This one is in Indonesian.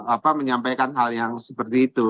apa menyampaikan hal yang seperti itu